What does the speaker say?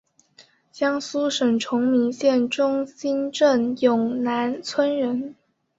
江苏省崇明县中兴镇永南村人。